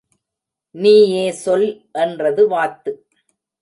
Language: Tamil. நீயே சொல் என்றது வாத்து.